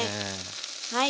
はい。